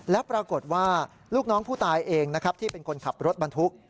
แล้วปรากฏว่าลูกน้องผู้ตายเองนะครับที่เป็นคนขับรถบรรทุก